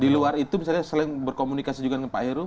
di luar itu misalnya selain berkomunikasi juga dengan pak heru